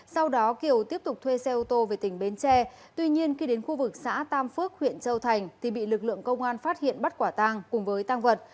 sau đó kiều tiếp tục thuê xe ô tô về tỉnh bến tre tuy nhiên khi đến khu vực xã tam phước huyện châu thành thì bị lực lượng công an phát hiện bắt quả tang cùng với tăng vật